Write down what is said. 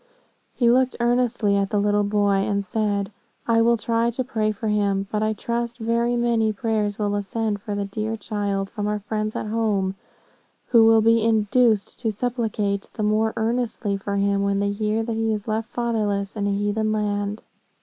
He looked earnestly at the little boy, and said, 'I will try to pray for him; but I trust very many prayers will ascend for the dear child from our friends at home, who will be induced to supplicate the more earnestly for him, when they hear that he is left fatherless in a heathen land.'